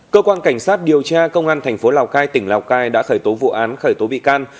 cơ quan cảnh sát điều tra công an thành phố lào cai tỉnh lào cai đã khởi tố vụ án khởi tố bị can